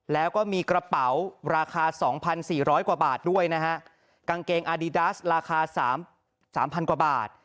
แล้วก็มีกระเป๋าราคาสองพันสี่ร้อยกว่าบาทด้วยนะฮะกางเกงอาดีดัสราคาสามสามพันกว่าบาท